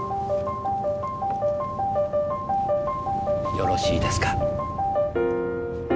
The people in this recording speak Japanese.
よろしいですか？